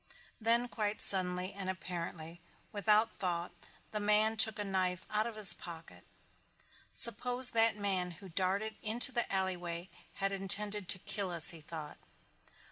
Then quite suddenly and apparently without thought the man took a knife out of his pocket. "Suppose that man who darted into the alleyway had intended to kill us," he thought.